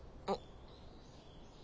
あっ。